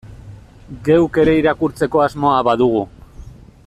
Geuk ere irakurtzeko asmoa badugu.